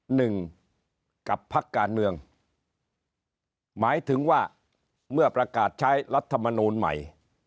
หนึ่งกับพักการเมืองหมายถึงว่าเมื่อประกาศใช้รัฐมนูลใหม่